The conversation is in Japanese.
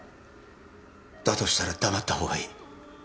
だとしたら黙った方がいい